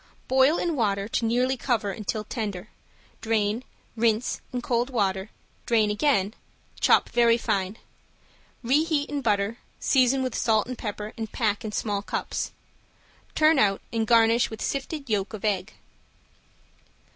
Boil in water to nearly cover until tender, drain, rinse in cold water, drain again, chop very fine; reheat in butter, season with salt and pepper and pack in small cups. Turn out and garnish with sifted yolk of egg.